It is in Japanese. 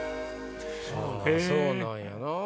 そうなんやな。